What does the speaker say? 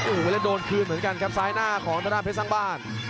โอ้โหแล้วโดนคืนเหมือนกันครับซ้ายหน้าของทางด้านเพชรสร้างบ้าน